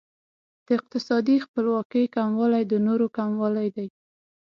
د اقتصادي خپلواکۍ کموالی د نورو کموالی دی.